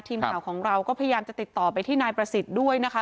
ทีมข่าวของเราก็พยายามจะติดต่อไปที่นายประสิทธิ์ด้วยนะคะ